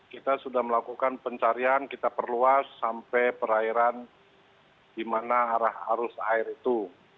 kita sudah melakukan pencarian kita perluas sampai perairan di mana arah arus air itu